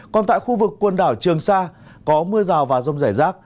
còn tại khu vực quần đảo trường sa có mưa rào và rông rải rác